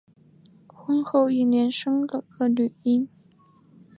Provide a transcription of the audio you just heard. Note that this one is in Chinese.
婚后一年生了个女婴